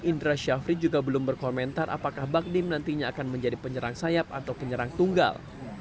indra syafri juga belum berkomentar apakah bakdim nantinya akan menjadi penyerang sayap atau penyerang tunggal